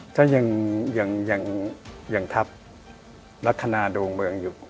ถ้ายังทับลักษณะดวงเมืองอยู่